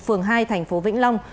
phường hai thành phố vĩnh long